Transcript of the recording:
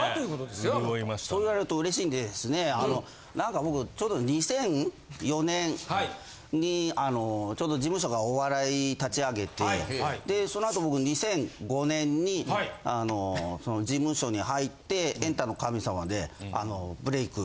・そうですね・なんか僕ちょうど２００４年にあのちょうど事務所がお笑い立ち上げてその後僕２００５年にあのその事務所に入って『エンタの神様』でブレイク